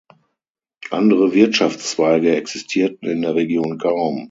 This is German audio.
Andere Wirtschaftszweige existierten in der Region kaum.